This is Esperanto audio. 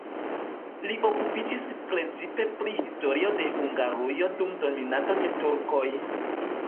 Li okupiĝis precipe pri historio de Hungarujo dum dominado de turkoj.